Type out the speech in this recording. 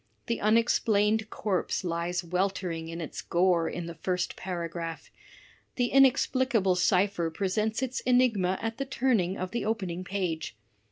The unexplained corpse lies weltering in its gore in the first paragraph; the inexplicable cipher presents its enigma at the turning of the opening page.